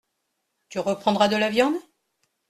Tu reprendras de la viande ?